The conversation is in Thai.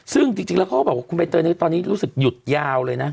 ซึ่งจริงแล้วเขาก็บอกว่าคุณใบเตยนี้ตอนนี้รู้สึกหยุดยาวเลยนะ